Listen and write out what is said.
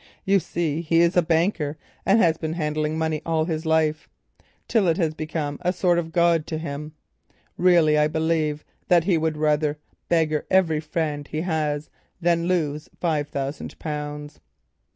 You see he is a banker, and has been handling money all his life, till it has become a sort of god to him. Really I do believe that he would rather beggar every friend he has than lose five thousand pounds."